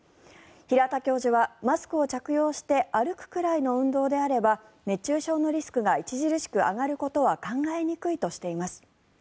平田教授はマスクを着用して歩くぐらいの運動であれば熱中症のリスクが著しく上がることは考えにくいとしています。